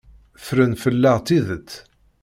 Ffren fell-aɣ tidet.